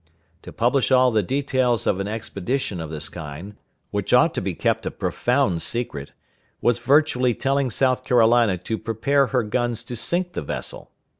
To publish all the details of an expedition of this kind, which ought to be kept a profound secret, was virtually telling South Carolina to prepare her guns to sink the vessel.